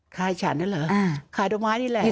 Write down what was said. ขายฉันนั่นเหรอขายดอกไม้นี่แหละ